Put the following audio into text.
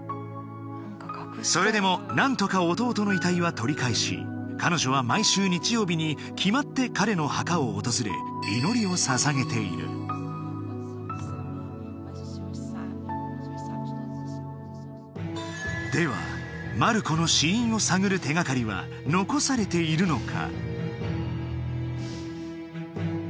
それでも何とか弟の遺体は取り返し彼女は毎週日曜日に決まって彼の墓を訪れ祈りを捧げているではマルコの死因を探る手がかりは残されているのか？